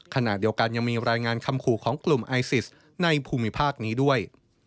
ขณะเดียวกันยังมีรายงานคำขู่ของกลุ่มไอซิสในภูมิภาคนี้ด้วย